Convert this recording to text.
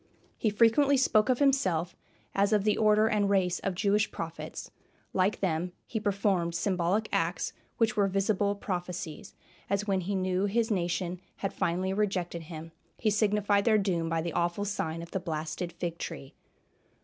He frequently spoke of himself as of the order and race of Jewish prophets; like them he performed symbolic acts which were visible prophecies, as when he knew his nation had finally rejected him he signified their doom by the awful sign of the blasted fig tree.